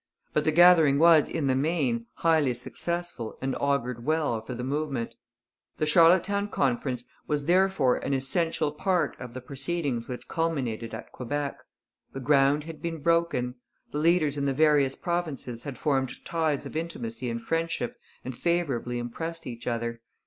But the gathering was, in the main, highly successful and augured well for the movement. The Charlottetown Conference was therefore an essential part of the proceedings which culminated at Quebec. The ground had been broken. The leaders in the various provinces had formed ties of intimacy and friendship and favourably impressed each other.